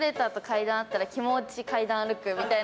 エスカレーターと階段あったら、気持ち階段歩くみたいな。